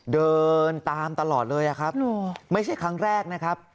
เดินตามตลอดเลยอะครับไม่ใช่ครั้งแรกนะครับ